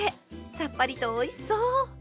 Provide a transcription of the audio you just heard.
さっぱりとおいしそう！